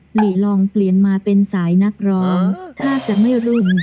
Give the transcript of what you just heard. หลีลองเปลี่ยนมาเป็นสายนักร้องแทบจะไม่รุม